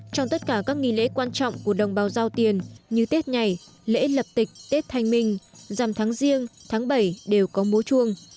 trong tất cả các nghi lễ quan trọng của đồng bào giao tiền như tết nhảy lễ lập tịch tết thanh minh dằm tháng riêng tháng bảy đều có mú chuông